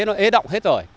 nó ế động hết rồi